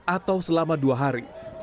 atau selama dua hari